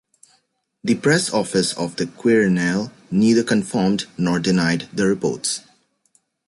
The press office of the Quirinale "neither confirmed nor denied" the reports.